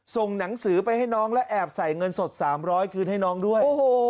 ส่งหนังสือไปให้น้องและแอบใส่เงินสด๓๐๐คืนให้น้องด้วย